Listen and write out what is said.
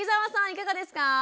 いかがですか？